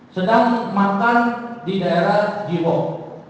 sedang mengembangkan di daerah jiwok